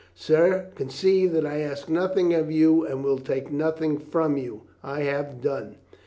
"Sir, conceive that I ask nothing of you and will take nothing from you. I have done."